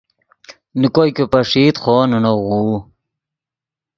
نے کوئے کہ پݰئیت خوو نے نؤ غوؤ